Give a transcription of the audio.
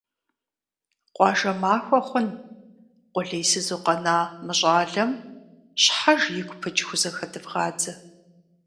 - Къуажэ махуэ хъун, къулейсызу къэна мы щӀалэм щхьэж игу пыкӀ хузэхэдвгъадзэ! –.